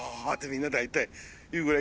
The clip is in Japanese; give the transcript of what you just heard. みんな大体言うぐらい